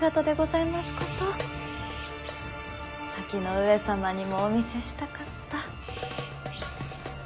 先の上様にもお見せしたかった。